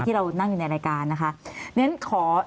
เรานั่งอยู่ในรายการนะคะ